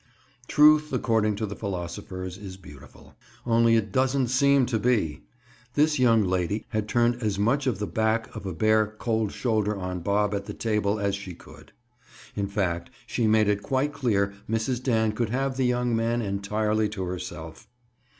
Truth, according to the philosophers, is beautiful. Only it doesn't seem to be! This young lady had turned as much of the back of a bare "cold shoulder" on Bob at the table as she could. In fact, she made it quite clear Mrs. Dan could have the young man entirely to herself.